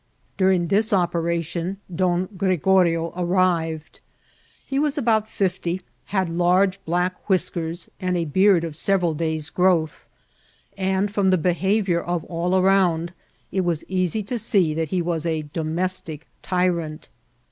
During this operation Don Gregorio arrived* He was about fifty, had large black whiskers, and a beard of several days' growth ; and, from the behaviour of all around, it was easy to see that he was a domestic ty* rant.